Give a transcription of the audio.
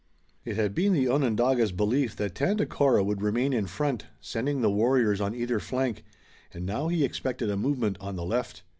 It had been the Onondaga's belief that Tandakora would remain in front, sending the warriors on either flank, and now he expected a movement on the left.